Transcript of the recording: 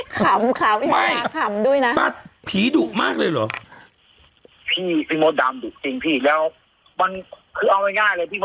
ขำขำเลย